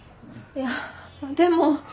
いやでも。